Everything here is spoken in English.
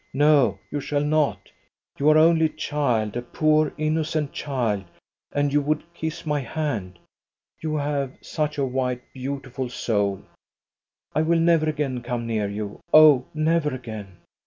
No, you shall not! You are only a child, a poor, innocent child, and you would kiss my hand. You have such a white, beauti ful soul. I will never again come near you. Oh, never again